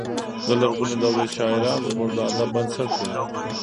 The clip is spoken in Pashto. د لرغونې دورې شاعران زموږ د ادب بنسټ دی.